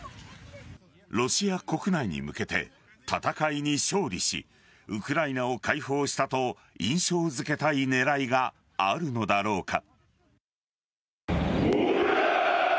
ロシア国内に向けて戦いに勝利しウクライナを解放したと印象付けたい狙いがあるのだろうか。